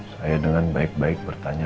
saya dengan baik baik bertanya